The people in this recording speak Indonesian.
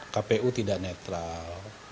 kpu tidak netral